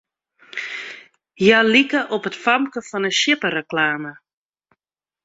Hja like op it famke fan 'e sjippereklame.